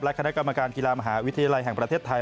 คณะกรรมการกีฬามหาวิทยาลัยแห่งประเทศไทย